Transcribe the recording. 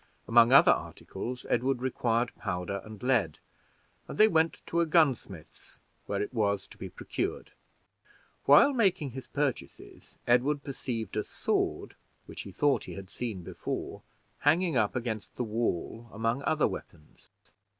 Among other articles, Edward required powder and lead, and they went to a gunsmith's where it was to be procured. While making his purchases, Edward perceived a sword, which he thought he had seen before, hanging up against the wall among other weapons.